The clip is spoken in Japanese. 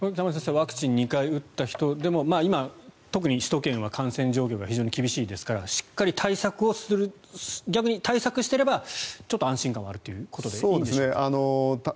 ワクチンを２回打った人でも今、特に首都圏は感染状況が非常に厳しいですからしっかり対策をしていれば逆に対策してればちょっと安心感はあるということでいいんでしょうか。